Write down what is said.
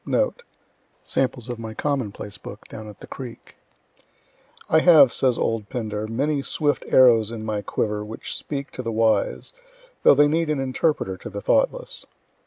Note: Samples of my common place book down at the creek: I have says old Pindar many swift arrows in my quiver which speak to the wise, though they need an interpreter to the thoughtless.